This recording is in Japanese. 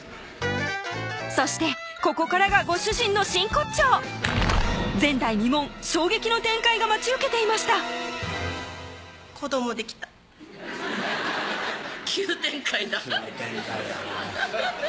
そしてここからがご主人の真骨頂前代未聞衝撃の展開が待ち受けていました子どもできた急展開だ急展開やなぁ